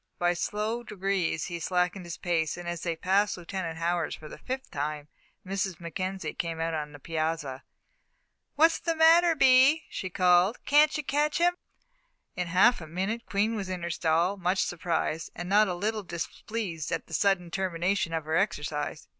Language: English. By slow degrees he slackened his pace, and as they passed Lieutenant Howard's for the fifth time, Mrs. Mackenzie came out on the piazza. "What's the matter, Bee?" she called; "can't you catch him?" In half a minute Queen was in her stall, much surprised, and not a little displeased at the sudden termination of her exercise.